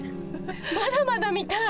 まだまだ見たい。